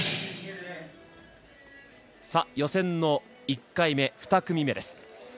予選の１回目、２組目です。